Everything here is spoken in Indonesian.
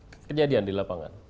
kejadian di lapangan